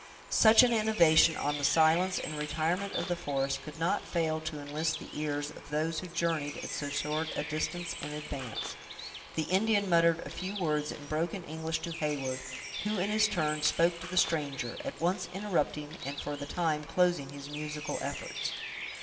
Such an innovation on the silence and retirement of the forest could not fail to enlist the ears of those who journeyed at so short a distance in advance. The Indian muttered a few words in broken English to Heyward, who, in his turn, spoke to the stranger; at once interrupting, and, for the time, closing his musical efforts.